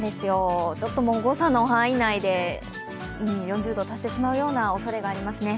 誤差の範囲内で４０度に達してしまうようなおそれがありますね。